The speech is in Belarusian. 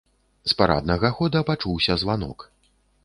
З параднага хода пачуўся званок.